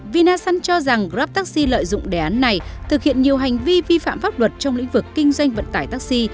vinasun cho rằng grab taxi lợi dụng đề án này thực hiện nhiều hành vi vi phạm pháp luật trong lĩnh vực kinh doanh vận tải taxi